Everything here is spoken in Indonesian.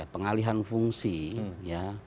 pengalihan fungsi ya